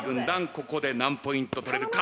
ここで何ポイント取れるか。